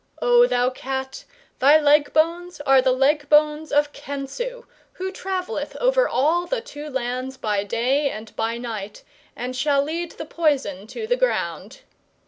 O thou Cat, thy leg bones are the leg bones of Khensu,[FN#202] who travelleth over all the Two Lands by day and by night, and shall lead the poison to the ground.